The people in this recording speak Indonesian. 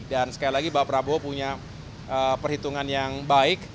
dan sekali lagi pak prabu punya perhitungan yang baik